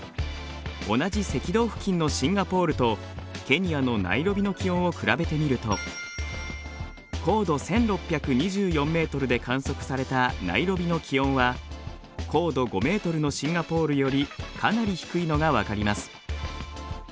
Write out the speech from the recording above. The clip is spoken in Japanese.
同じ赤道付近のシンガポールとケニアのナイロビの気温を比べてみると高度１，６２４ｍで観測されたナイロビの気温は高度５ｍのシンガポールよりかなり低いのが分かります。